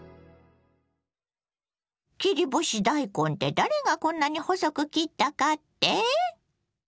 切り干し大根って誰がこんなに細く切ったかって？